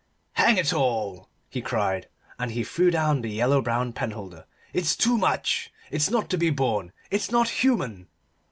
"Hang it all!" he cried, and he threw down the yellow brown penholder. "It's too much! It's not to be borne! It's not human!"